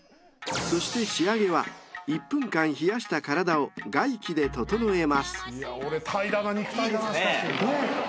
［そして仕上げは１分間冷やした体を外気でととのえます］